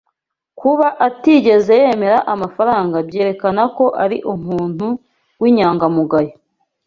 Kuba atigeze yemera amafaranga byerekana ko ari umuntu w'inyangamugayo.